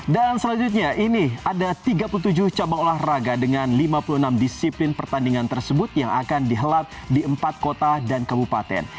dan selanjutnya ini ada tiga puluh tujuh cabang olahraga dengan lima puluh enam disiplin pertandingan tersebut yang akan dihelat di empat kota dan kabupaten